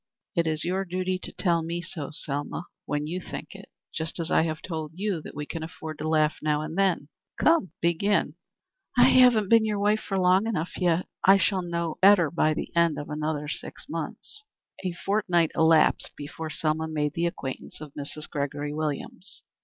"It is your duty to tell me so, Selma, when you think it, just as I have told you that we can afford to laugh now and then. Come, begin." "I haven't been your wife long enough yet. I shall know better by the end of another six months." A fortnight elapsed before Selma made the acquaintance of Mrs. Gregory Williams.